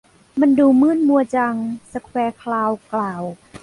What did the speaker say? มันดูมืดมัวจัง สแคร์คราวกล่าว